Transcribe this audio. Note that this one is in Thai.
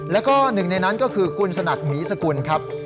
แล้วก็หนึ่งในนั้นก็คือคุณสนัดหมีสกุลครับ